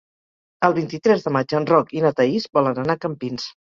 El vint-i-tres de maig en Roc i na Thaís volen anar a Campins.